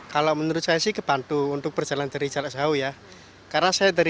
kalau menurut saya sih kebantu untuk perjalanan dari jawa timur ya